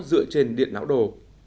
dựa trên điện não đồ